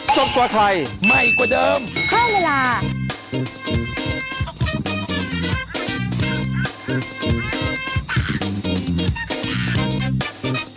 สวัสดีค่ะ